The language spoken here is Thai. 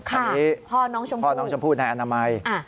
อันนี้พ่อน้องชมพู่พ่อน้องชมพู่ในอนามัย